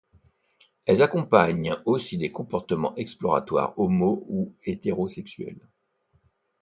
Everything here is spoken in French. Elles accompagnent aussi des comportements exploratoires homo ou hétérosexuels.